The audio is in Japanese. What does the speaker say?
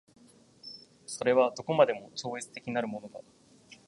それはどこまでも超越的なるものが